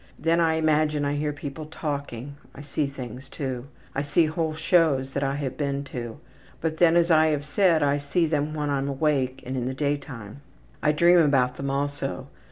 Then I imagine I hear people talking. I see things too. I see whole shows that I have been to. But then, as I have said, I see them when I'm awake and in the daytime. I dream about them also.